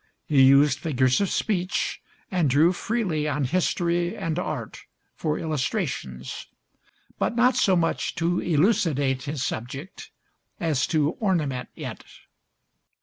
He used figures of speech and drew freely on history and art for illustrations, but not so much to elucidate his subject as to ornament it.